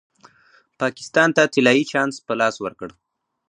پاکستان ته طلايي چانس په لاس ورکړ.